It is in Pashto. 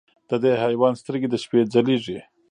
د دې حیوان سترګې د شپې ځلېږي.